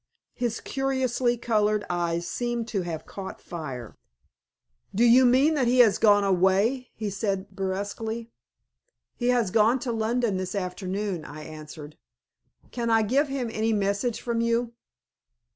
His curiously colored eyes seemed to have caught fire. "Do you mean that he has gone away?" he asked, brusquely. "He has gone to London this afternoon," I answered. "Can I give him any message from you?"